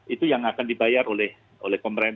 itu yang akan dibayar oleh pemerintah